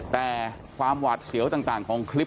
แต่ความหวาดเสียวต่างของคลิป